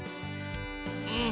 うん。